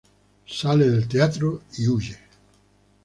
Sale del teatro y huye.